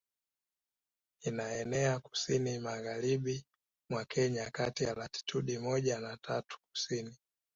Inaenea kusini magharibi mwa Kenya kati ya latitude moja na tatu Kusini